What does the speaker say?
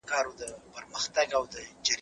رسول الله د حق د تائید لپاره مبعوث سوی و.